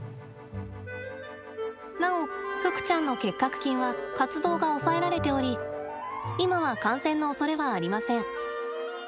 なお、ふくちゃんの結核菌は活動が抑えられており今は感染のおそれはありません。